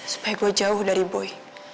supaya gue jauh dari boy